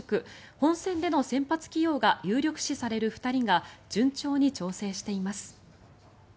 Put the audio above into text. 本戦での先発起用が有力視される２人が順調に調整しています。